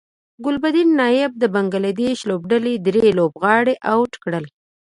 ګلبدین نایب د بنګلادیش لوبډلې درې لوبغاړي اوټ کړل